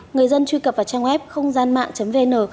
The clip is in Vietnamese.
người dân truy cập vào trang web khônggianmạng vn